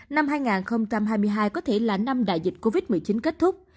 năm hai nghìn hai mươi hai có thể là năm đại dịch covid một mươi chín kết thúc